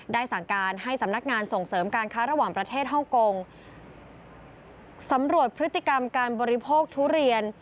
สั่งการให้สำนักงานส่งเสริมการค้าระหว่างประเทศฮ่องกงสำรวจพฤติกรรมการบริโภคทุเรียน